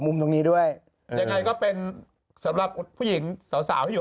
มุมตรงนี้ด้วยยังไงก็เป็นสำหรับผู้หญิงสาวสาวที่อยู่